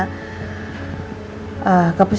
setidaknya aku juga pernah